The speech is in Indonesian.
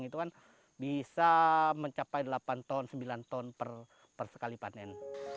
itu kan bisa mencapai delapan ton sembilan ton per sekali panen